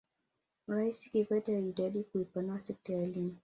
raisi kikwete alijitahidi kuipanua sekta ya elimu